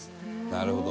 「なるほど。